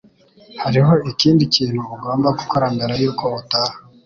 Hariho ikindi kintu ugomba gukora mbere yuko utaha.